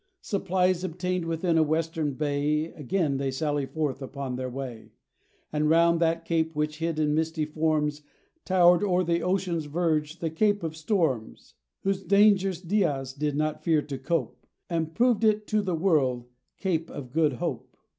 Supplies obtained within a western bay, Again they sally forth upon their way, And round that Cape which, hid in misty forms, Towered o'er the ocean's verge "the Cape of Storms," Whose dangers Diaz did not fear to cope, And proved it to the world Cape of Good Hope.